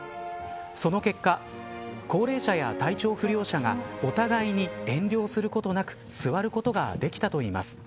その結果高齢者や体調不良者がお互いに遠慮をすることなく座ることができたといいます。